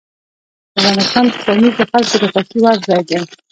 افغانستان کې پامیر د خلکو د خوښې وړ ځای دی.